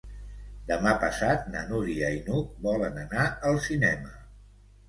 Demà passat na Núria i n'Hug volen anar al cinema.